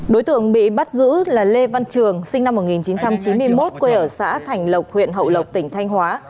đối tượng bị bắt giữ là lê văn trường sinh năm một nghìn chín trăm chín mươi một quê ở xã thành lộc huyện hậu lộc tỉnh thanh hóa